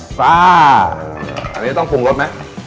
ต่อนี้ต้องฟูลงกดมั้ย